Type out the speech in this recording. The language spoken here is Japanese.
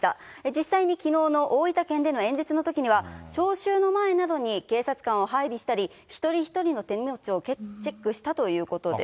実際にきのうの大分県での演説のときには、聴衆の前などに警察官を配備したり、一人一人の手荷物をチェックしたということです。